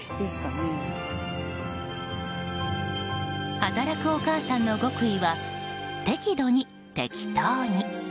働くお母さんの極意は適度に、適当に。